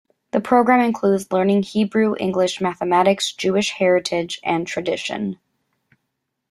The program includes learning Hebrew, English, mathematics, Jewish heritage and tradition.